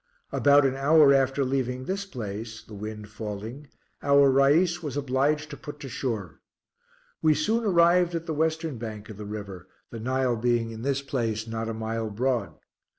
About an hour after leaving this place, the wind falling, our Rais was obliged to put to shore. We soon arrived at the western bank of the river, the Nile being in this place not a mile broad.